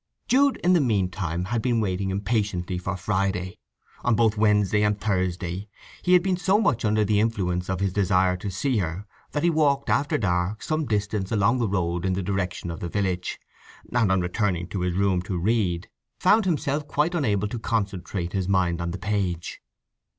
Jude in the meantime had been waiting impatiently for Friday. On both Wednesday and Thursday he had been so much under the influence of his desire to see her that he walked after dark some distance along the road in the direction of the village, and, on returning to his room to read, found himself quite unable to concentrate his mind on the page.